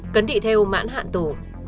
cấn thị theo mãn hạn tù